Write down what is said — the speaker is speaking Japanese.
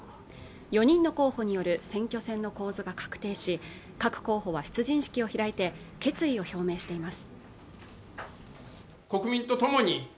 ４人の候補による選挙戦の構図が確定し各候補は出陣式を開いて決意を表明しています